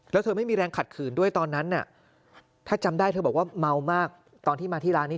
แล้วเธอไม่มีแรงขัดขืนด้วยตอนนั้นน่ะถ้าจำได้เธอบอกว่าเมามากตอนที่มาที่ร้านนี้